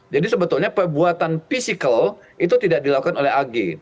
jadi sebetulnya perbuatan fisikal itu tidak dilakukan oleh agh